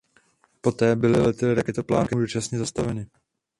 Poté byly lety raketoplánů dočasně zastaveny.